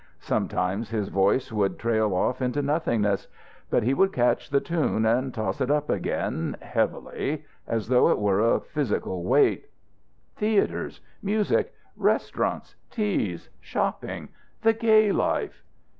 Sometimes his voice would trail off into nothingness, but he would catch the tune and toss it up again, heavily, as though it were a physical weight. Theatres! Music! Restaurants! Teas! Shopping! The gay life!